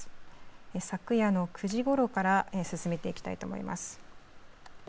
昨夜の９時ごろから進めていきたいと思います。